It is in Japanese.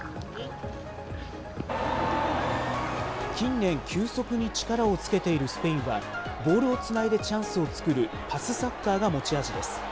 近年、急速に力をつけているスペインは、ボールをつないでチャンスを作るパスサッカーが持ち味です。